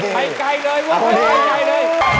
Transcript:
ไปใกล้เลยว่ะ